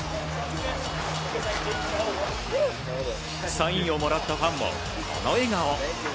サインをもらったファンもこの笑顔。